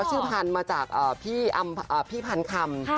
ชื่อพันธุ์มาจากพี่พันคำ